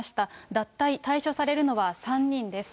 脱退、退所されるのは３人です。